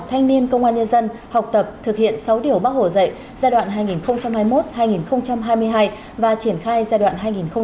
thanh niên công an nhân dân học tập thực hiện sáu điều bác hồ dạy giai đoạn hai nghìn hai mươi một hai nghìn hai mươi hai và triển khai giai đoạn hai nghìn hai mươi một hai nghìn hai mươi năm